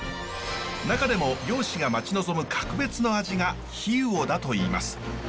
中でも漁師が待ち望む格別の味が氷魚だといいます。